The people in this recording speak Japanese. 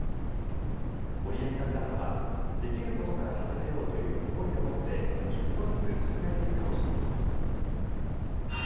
オリエンタルランドはできることから始めようという思いを持って一歩ずつ進めていくとしています。